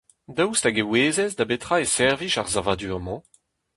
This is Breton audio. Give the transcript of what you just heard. Daoust hag e ouezez da betra e servij ar savadur-mañ ?